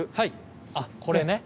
あこれね。